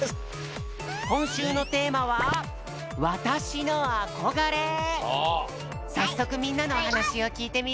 こんしゅうのテーマはさっそくみんなのおはなしをきいてみよう。